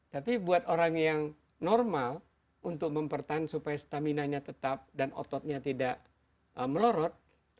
tapi buat orang yang normal untuk mempertahankan supaya stamina nya tetap dan ototnya tidak melorot